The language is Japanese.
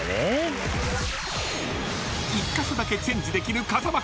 ［１カ所だけチェンジできる風間君